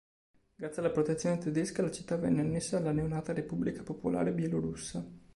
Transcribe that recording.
Grazie alla protezione tedesca la città venne annessa alla neonata Repubblica Popolare Bielorussa.